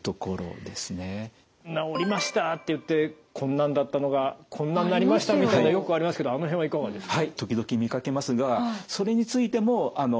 「治りました」って言って「こんなんだったのがこんなんなりました」みたいのよくありますけどあの辺はいかがですか？